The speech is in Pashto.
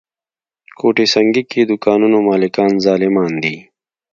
ګوته سنګي کې دوکانونو مالکان ظالمان دي.